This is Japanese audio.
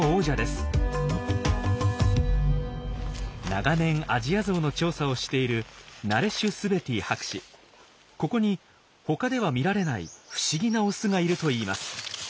長年アジアゾウの調査をしているここに他では見られない不思議なオスがいるといいます。